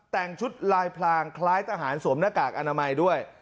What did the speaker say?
แต่งชุดลายพลางคล้ายทหารสวมหน้ากากอนามัยด้วย